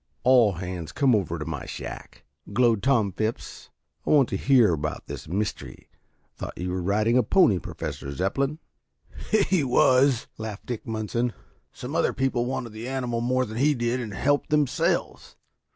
"All hands come over to my shack," glowed Tom Phipps. "I want to hear about this mystery. Thought you were riding a pony, Professor Zepplin?" "He was," laughed Dick Munson. "Some other people wanted the animal more than he did and helped themselves."